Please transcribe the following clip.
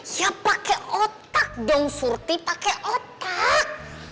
ya pake otak dong surti pake otak